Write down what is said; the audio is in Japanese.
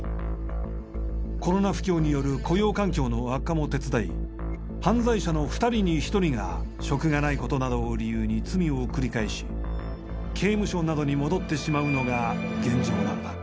コロナ不況による雇用環境の悪化も手伝い犯罪者の２人に１人が職がないことなどを理由に罪を繰り返し刑務所などに戻ってしまうのが現状なのだ。